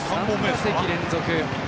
２打席連続。